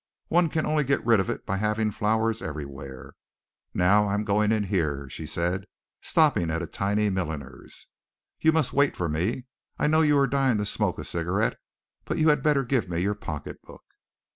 One can only get rid of it by having flowers everywhere. Now I am going in here," she said, stopping at a tiny milliner's. "You must wait for me I know you are dying to smoke a cigarette but you had better give me your pocket book."